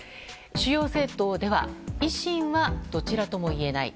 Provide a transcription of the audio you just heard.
主要政党では維新はどちらともいえない。